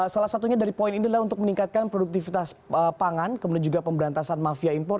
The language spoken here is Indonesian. salah satunya dari poin ini adalah untuk meningkatkan produktivitas pangan kemudian juga pemberantasan mafia impor